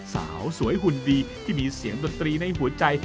สาวสวยหุ่นดีที่มีเสียงดนตรีในหัวใจ